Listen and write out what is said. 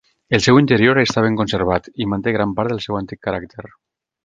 El seu interior està ben conservat, i manté gran part del seu antic caràcter.